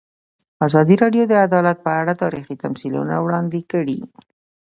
ازادي راډیو د عدالت په اړه تاریخي تمثیلونه وړاندې کړي.